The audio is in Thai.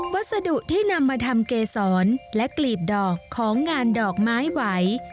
วัสดุที่นำมาทำเกษรและกลีบดอกของงานดอกไม้ไหว